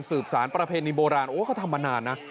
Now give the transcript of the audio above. สารประเพณีโบราณโอ้เขาทำมานานนะ